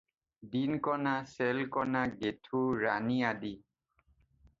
দনিকণা, চেলকণা, গেঠু, ৰাণী আদি।